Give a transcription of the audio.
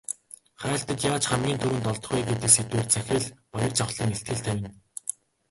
Хайлтад яаж хамгийн түрүүнд олдох вэ гэдэг сэдвээр захирал Баяржавхлан илтгэл тавина.